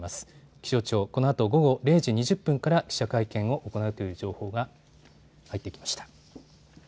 気象庁、このあと午後０時２０分から記者会見を行うという情報が入ってきました。